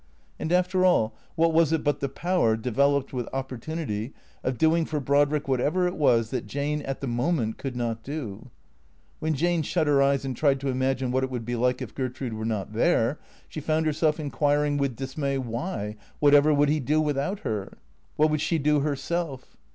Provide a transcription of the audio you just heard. And, after all, what was it but the power, developed with opportunity, of doing for Brodrick what ever it was that Jane at the moment could not do ? When Jane shut her eyes and tried to imagine what it would be like if Ger trude were not there, she found herself inquiring with dismay why, whatever would he do without her? What would she do herself?